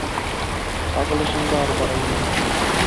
পাগলের সংখ্যা আর বাড়াইও না।